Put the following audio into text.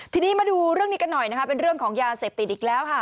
ทีนี้มาดูเรื่องนี้กันหน่อยนะคะเป็นเรื่องของยาเสพติดอีกแล้วค่ะ